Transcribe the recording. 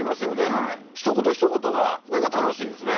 はいひと言ひと言がなんか楽しいですね